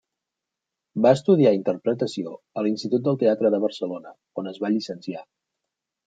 Va estudiar interpretació a l'Institut del Teatre de Barcelona, on es va llicenciar.